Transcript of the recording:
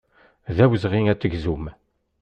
D awezɣi ad tegzum.